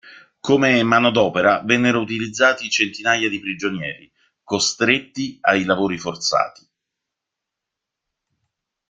Come manodopera vennero utilizzati centinaia di prigionieri, costretti ai lavori forzati.